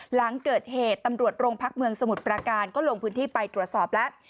หลังเกิดเหตุตำรวจโรงพักเมืองสมุทรปราการก็ลงพื้นที่ไปตรวจสอบแล้ว